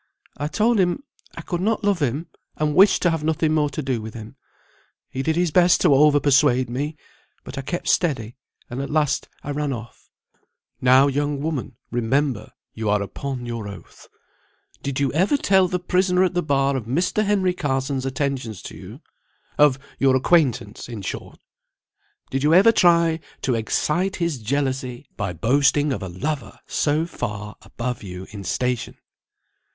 I told him I could not love him, and wished to have nothing more to do with him. He did his best to over persuade me, but I kept steady, and at last I ran off." "And you never spoke to him again?" "Never!" "Now, young woman, remember you are upon your oath. Did you ever tell the prisoner at the bar of Mr. Henry Carson's attentions to you? of your acquaintance, in short? Did you ever try to excite his jealousy by boasting of a lover so far above you in station?"